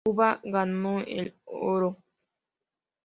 Cuba ganó el oro.